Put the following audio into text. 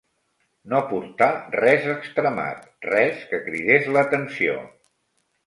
No portar res extremat, res que cridés l'atenció